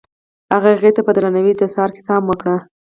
هغه هغې ته په درناوي د سهار کیسه هم وکړه.